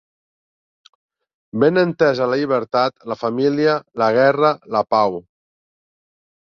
Ben entesa la llibertat, la familia, la guerra, la pau